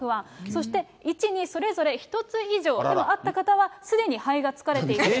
そして、１にそれぞれ１つ以上あった方は、すでに肺が疲れている。